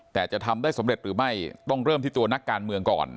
แต่จะทำได้สำเร็จหรือไม่ต้องเริ่มที่ตัวนักการเมืองก่อน